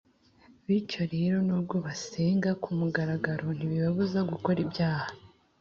bityo rero, nubwo basenga ku mugaragaro ntibibabuza gukora ibyaha